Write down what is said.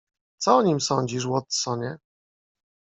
"Co o nim sądzisz, Watsonie?"